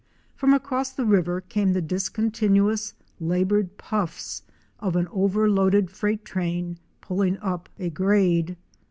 From across the river came the discontinuous, labored puffs of an overloaded freight train pulling up a grade.